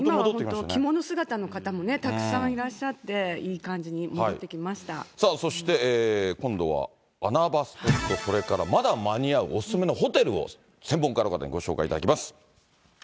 今も着物姿の方もたくさんいらっしゃって、いい感じに戻ってさあ、そして今度は穴場スポット、それからまだ間に合うお勧めのホテルを専門家の方にご紹介いただきます。